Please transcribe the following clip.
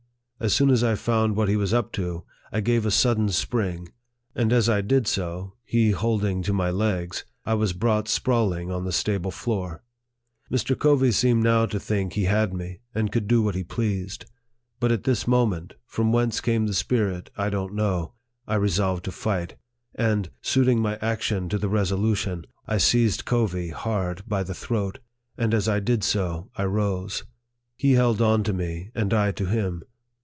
As soon as I found what he was up to, I gave a sudden spring, and as I did so, he holding to my legs, I was brought sprawling on the stable floor. Mr. Covey seemed now to think he had me, and could do what he pleased ; but at this moment from whence came the spirit I don't know I resolved to fight ; and, suiting my action to the reso lution, I seized Covey hard by the throat ; and as I did so, I rose. He held on to me, and I to him.